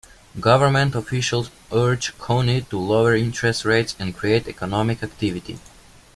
Government officials urged Coyne to lower interest rates and create economic activity.